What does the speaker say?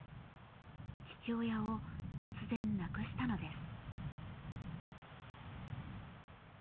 父親を突然亡くしたのです。